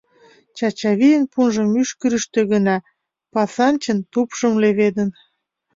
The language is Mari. Чачавийын пунжо мӱшкырыштӧ гына, Пысанчын тупшым леведын.